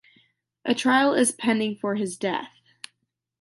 A trial is pending for his death.